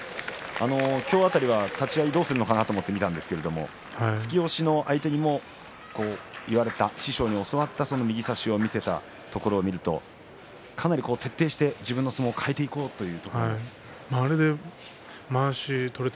立ち合い、どうするのかなと見たんですけれども突き押しの相手にも師匠に教わった右差しを見せたところを見るとかなり徹底して自分の相撲を貫いていこうという。